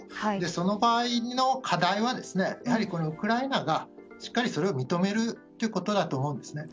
その場合の課題はやはり、ウクライナがしっかりそれを認めることだと思います。